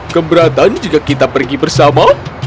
keberatan jika kita pergi bersama